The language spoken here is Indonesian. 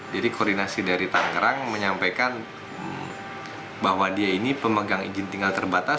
jadi koordinasi dari tangerang menyampaikan bahwa dia ini pemegang izin tinggal terbatas